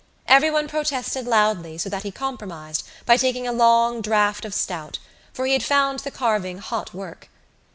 Everyone protested loudly so that he compromised by taking a long draught of stout for he had found the carving hot work.